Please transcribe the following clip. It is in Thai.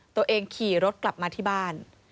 ตัวเองขี่รถกลับมาที่บ้าน